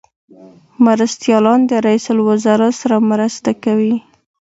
مرستیالان د رئیس الوزرا سره مرسته کوي